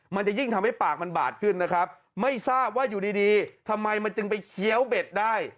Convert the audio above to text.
มันจะยิ่งทำให้ปากมันบาดขึ้นนะครับไม่ทราบว่าอยู่ดีดีทำไมมันจึงไปเคี้ยวเบ็ดได้